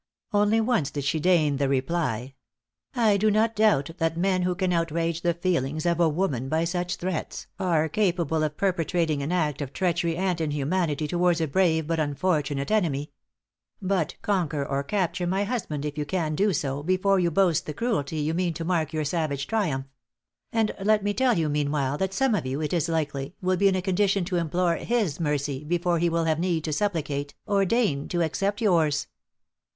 Once only did she deign the reply, "I do not doubt that men who can outrage the feelings of a woman by such threats, are capable of perpetrating any act of treachery and inhumanity towards a brave but unfortunate enemy. But conquer or capture my husband, if you can do so, before you boast the cruelty you mean to mark your savage triumph! And let me tell you, meanwhile, that some of you, it is likely, will be in a condition to implore his mercy, before he will have need to supplicate, or deign to accept yours."